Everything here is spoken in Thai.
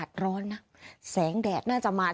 สวัสดีค่ะรุ่นก่อนเวลาเหนียวกับดาวสุภาษฎรามมาแล้วค่ะ